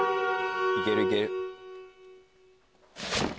いけるいける。